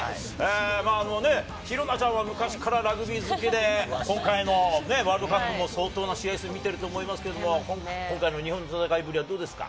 紘菜ちゃんは昔からラグビー好きで、今回のワールドカップも相当の試合数見てると思いますけれど、今回の日本の戦いぶりはどうですか？